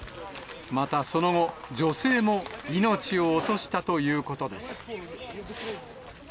またその後、女性も命を落としたということです。